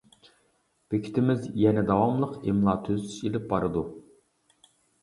بېكىتىمىز يەنە داۋاملىق ئىملا تۈزىتىش ئېلىپ بارىدۇ.